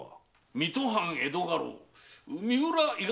水戸藩江戸家老・三浦伊賀